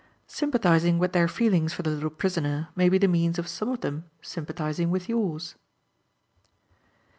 Sympathizing with their feelings for the little prisoner may be the means of some of them sympathizing with yours.